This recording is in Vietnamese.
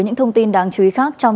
những thông tin đáng chú ý khác trong